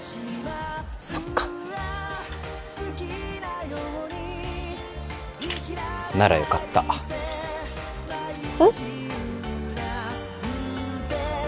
そっかならよかったえっ？